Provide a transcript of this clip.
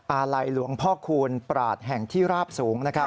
อาลัยหลวงพ่อคูณปราชแห่งที่ราบสูง